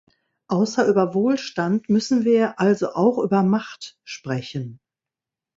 Außer über Wohlstand müssen wir also auch über Macht sprechen.